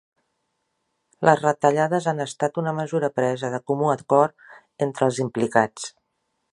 Les retallades han estat una mesura presa de comú acord entre els implicats.